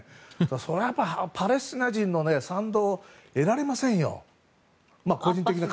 そりゃパレスチナ人の賛同を得られませんよ。